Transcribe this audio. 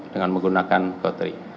dengan menggunakan gotri